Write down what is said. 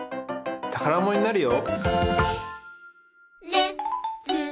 たからものになるよ！